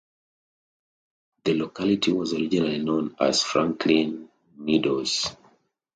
The locality was originally known as Franklin Meadows.